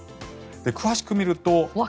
詳しく見ると。